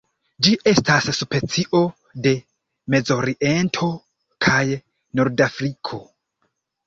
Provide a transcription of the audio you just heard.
Ĝi estas specio de Mezoriento kaj Nordafriko.